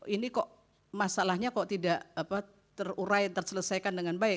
ini kok masalahnya kok tidak terurai terselesaikan dengan baik